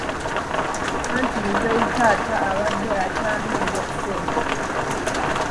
Anti muzeeyi taata abadde akyanoonya ssente.